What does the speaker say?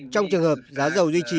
trong trường hợp giá dầu duy trì